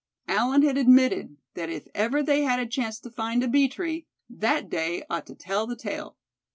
Allan had admitted that if ever they had a chance to find a bee tree that day ought to tell the tale.